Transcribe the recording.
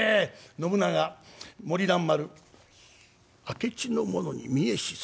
信長が森蘭丸「明智の者に見えし候」。